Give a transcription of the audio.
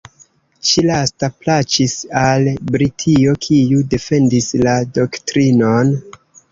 Ĉi-lasta plaĉis al Britio, kiu defendis la doktrinon.